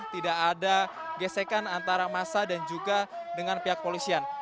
tidak ada gesekan antara masa dan juga dengan pihak polisian